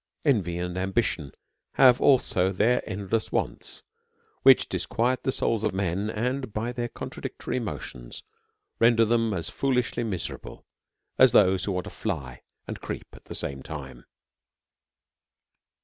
Envy and ambition have also their endless wants, which disquiet the souls of men, DEVOUT AND HOLY LIFE. 119 and by their contradictory motions render them as foolishly miserable as those that want to fly and creep at the same time.